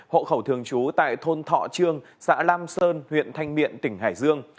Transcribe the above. hộ khẩu thường trú tại thôn thọ trương xã lam sơn huyện thanh miện tỉnh hải dương